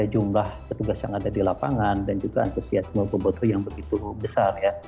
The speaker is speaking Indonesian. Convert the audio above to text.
jumlah petugas yang ada di lapangan dan juga antusiasme boboto yang begitu besar ya